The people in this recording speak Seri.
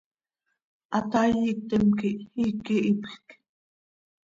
¡Hataai iictim quih iiqui hiipjc!